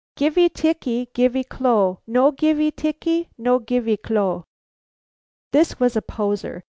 "Givee tickee, givee clo'! No givee tickee, no givee clo'!" This was a poser!